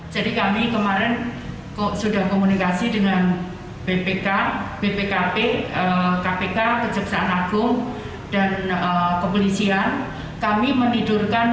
jadi kami kemarin sudah komunikasi dengan bpk bpkp kpk kejaksaan agung